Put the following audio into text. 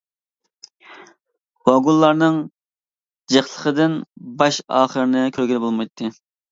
ۋاگونلارنىڭ جىقلىقىدىن باش ئاخىرىنى كۆرگىلى بولمايتتى.